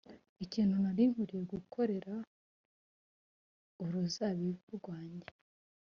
Ikintu nari nkwiriye gukorera uruzabibu rwanjye